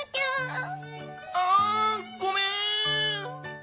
あごめん。